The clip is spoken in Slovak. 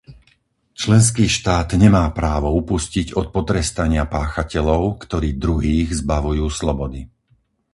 Členský štát nemá právo upustiť od potrestania páchateľov, ktorí druhých zbavujú slobody.